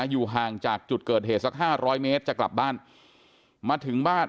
อยู่ห่างจากจุดเกิดเหตุซัก๕๐๐เมตรจะกลับบ้าน